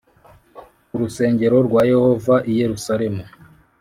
ku rusengero rwa Yehova i Yerusalemu